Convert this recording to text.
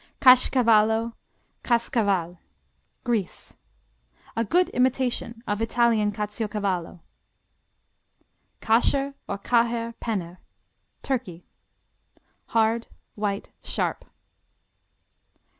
Kashcavallo, Caskcaval Greece A good imitation of Italian Caciocavallo. Kasher, or Caher, Penner Turkey Hard; white; sharp.